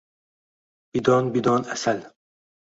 Bidon-bidon asal